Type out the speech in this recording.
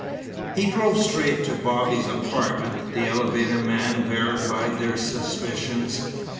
He drove straight to Bobby's apartment. The elevator man verified their suspicions.